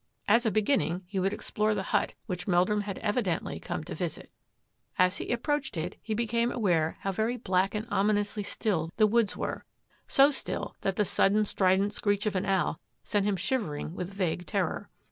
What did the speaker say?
As a begin ning, he would explore the hut which Meldrum had evidently come to visit. As he approached it, he beecame aware how very black and ominously still the woods were — so still that the sudden, strident screech of an owl set him shivering with vague terror.